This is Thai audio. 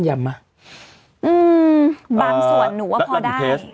บางส่วนหนูว่าพอได้